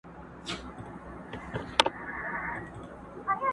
له نيکه را پاته سوی په ميراث دی!.